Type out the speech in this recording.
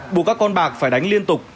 bù các con bạc phải đánh liên tục